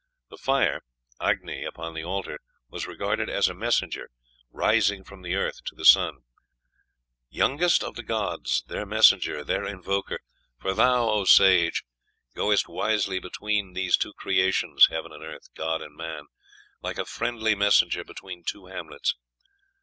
The fire (Agni) upon the altar was regarded as a messenger rising from the earth to the sun: "Youngest of the gods, their messenger, their invoker.... For thou, O sage, goest wisely between these two creations (heaven and earth, God and man) like a friendly messenger between two hamlets."